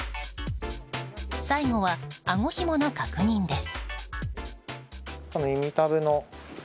最後は、あごひもの確認です。